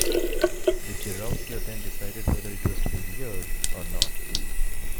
The Gerousia then decided whether it was to be reared or not.